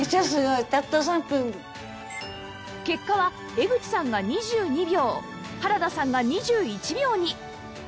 結果は江口さんが２２秒原田さんが２１秒に